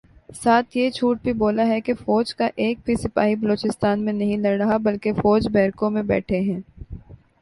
ساتھ یہ جھوٹ بھی بولا ہے کہ فوج کا ایک بھی سپاہی بلوچستان میں نہیں لڑ رہا بلکہ فوجی بیرکوں میں بیٹھے ہیں